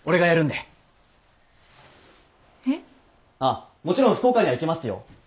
あっもちろん福岡には行きますよ。